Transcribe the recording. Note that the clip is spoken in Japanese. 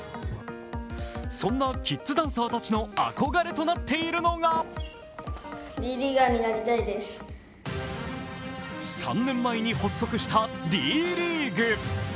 そんなキッズダンサーたちの憧れとなっているのが３年前に発足したＤリーグ。